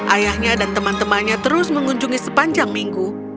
ayahnya dan teman temannya terus mengunjungi sepanjang minggu